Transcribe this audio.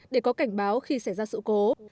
để có cảnh báo khi xảy ra sự cố